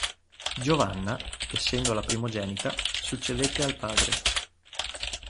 Giovanna, essendo la primogenita, succedette al padre.